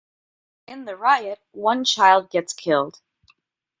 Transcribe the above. In the riot, one child gets killed.